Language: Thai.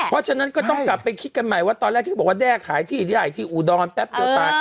เพราะฉะนั้นก็ต้องกลับไปคิดกันใหม่ว่าตอนแรกที่เขาบอกว่าแด้ขายที่ได้ที่อุดรแป๊บเดียวตาย